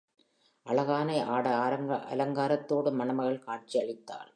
அழகான ஆடை அலங்காத்தோடு மணமகள் காட்சி அளித்தாள்.